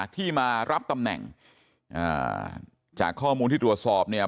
ที่มารับตำแหน่งอ่าจากข้อมูลที่ตรวจสอบเนี่ย